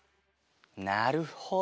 なるほど！